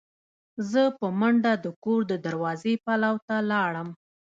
زه په منډه د کور د دروازې پلو ته لاړم.